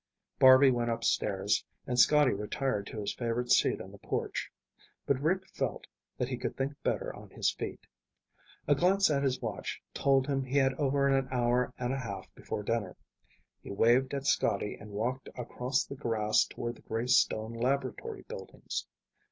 Barby went upstairs and Scotty retired to his favorite seat on the porch. But Rick felt that he could think better on his feet. A glance at his watch told him he had over an hour and a half before dinner. He waved at Scotty and walked across the grass toward the gray stone laboratory buildings.